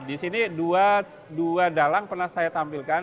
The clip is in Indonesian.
di sini dua dalang pernah saya tampilkan